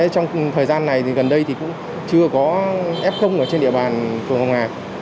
trong thời gian này thì gần đây thì cũng chưa có f ở trên địa bàn phường hồng hà